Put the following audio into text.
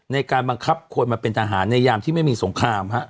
ในการบังคับคนมาเป็นทหารในยามที่ไม่มีสงคราม